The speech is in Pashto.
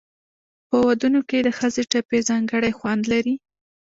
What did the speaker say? په ودونو کې د ښځو ټپې ځانګړی خوند لري.